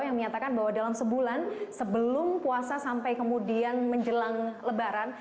yang menyatakan bahwa dalam sebulan sebelum puasa sampai kemudian menjelang lebaran